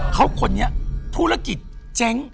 เขาคนนี้ธุรกิจเจ๊ง